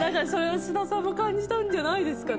菅田さんもそれを感じたんじゃないですかね。